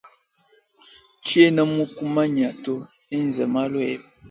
Tshiena mukumanya to enza malu ebe.